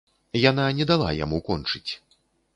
Яна не дала яму кончыць.